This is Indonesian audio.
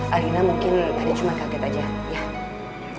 alina mungkin tadi cuma kaget aja